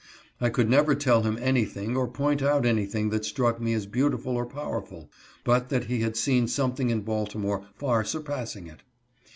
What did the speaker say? I could never tell him anything, or point out anything that struck me as beautiful or powerful, but that he had seen some thing in Baltimore far surpassing it.